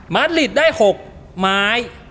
มาสลิตได้๖ไม้